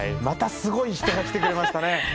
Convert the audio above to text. またすごい人が来てくれましたね。